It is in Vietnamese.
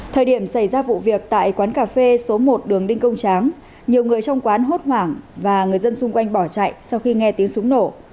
thời điểm xảy ra vụ việc tại quán cà phê số một đường đinh công tráng nhiều người trong quán hốt hoảng và người dân xung quanh bỏ chạy sau khi nghe tiếng súng nổ